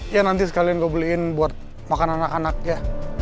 ya nanti sekalian gue beliin buat makanan anak anak ya